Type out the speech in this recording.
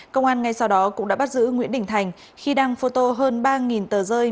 công an ngay sau đó cũng đã bắt giữ nguyễn đình thành khi đang phô tô hơn ba tờ rơi